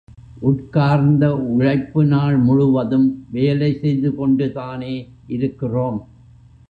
உட்கார்ந்த உழைப்பு நாள் முழுவதும் வேலை செய்து கொண்டுதானே இருக்கிறோம்.